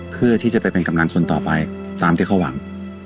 เพื่อที่จะไปเป็นกำนันคนต่อไปตามที่เขาหวัง